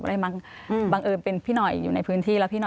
ได้มั่งบังเอิญเป็นพี่หน่อยอยู่ในพื้นที่